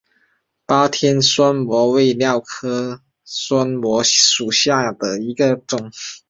巴天酸模为蓼科酸模属下的一个种。